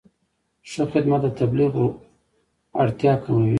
ښه خدمت د تبلیغ اړتیا کموي.